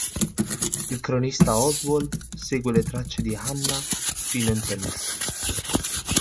Il cronista Oswald segue le tracce di Hannah fino in Tennessee.